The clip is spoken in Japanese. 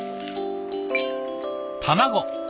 卵。